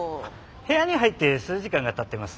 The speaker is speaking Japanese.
部屋に入って数時間がたってます。